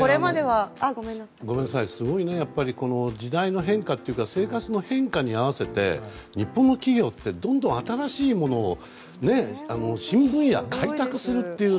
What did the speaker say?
すごいね、やっぱり時代の変化というか生活の変化に合わせて日本の企業ってどんどん新しいものを新分野を開拓するという。